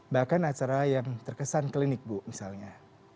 bahkan acara yang terkesan klinik bu misalnya